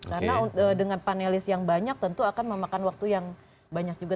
karena dengan panelis yang banyak tentu akan memakan waktu yang banyak juga